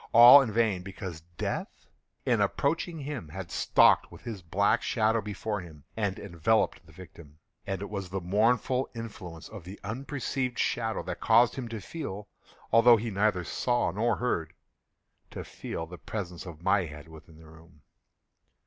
All in vain; because Death, in approaching him had stalked with his black shadow before him, and enveloped the victim. And it was the mournful influence of the unperceived shadow that caused him to feel—although he neither saw nor heard—to feel the presence of my head within the room.